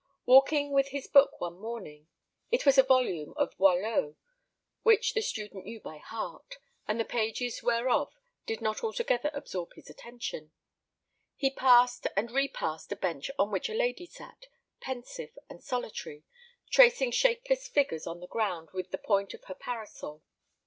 Walking with his book one morning it was a volume of Boileau, which the student knew by heart, and the pages whereof did not altogether absorb his attention he passed and repassed a bench on which a lady sat, pensive and solitary, tracing shapeless figures on the ground with the point of her parasol.